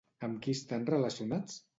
Amb qui estan relacionats?